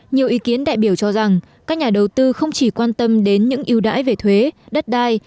nhiều ý kiến đại biểu cho rằng các nhà đầu tư không chỉ quan tâm đến những ưu đãi về thuế đất đai